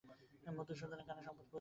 মধুসূদনের কানেও সংবাদ পৌঁচেছে।